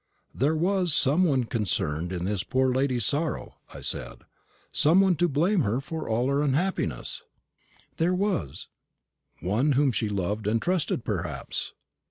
"There was some one concerned in this poor lady's sorrow," I said; "some one to blame for all her unhappiness." "There was." "One whom she loved and trusted, perhaps?"